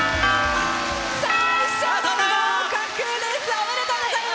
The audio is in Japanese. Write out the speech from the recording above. ありがとうございます！